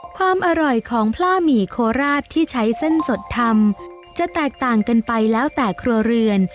ความอร่อยของพล่าหมี่โคราชที่ใช้เส้นสดทำจะแตกต่างกันไปแล้วแต่ครัวเรือน